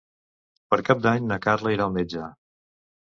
Per Cap d'Any na Carla irà al metge.